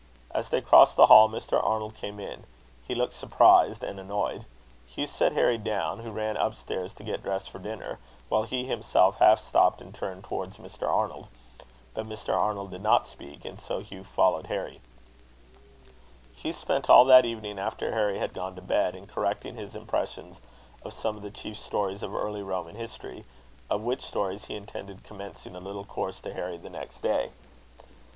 As they crossed the hall, Mr. Arnold came in. He looked surprised and annoyed. Hugh set Harry down, who ran upstairs to get dressed for dinner; while he himself half stopped, and turned towards Mr. Arnold. But Mr. Arnold did not speak, and so Hugh followed Harry. Hugh spent all that evening, after Harry had gone to bed, in correcting his impressions of some of the chief stories of early Roman history; of which stories he intended commencing a little course to Harry the next day.